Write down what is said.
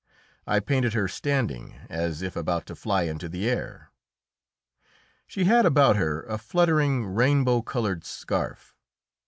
I painted her standing, as if about to fly into the air. She had about her a fluttering, rainbow coloured scarf.